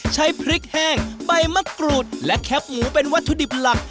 ใช้พริกแห้งใบมะกรูดและแคปหมูเป็นวัตถุดิบหลัก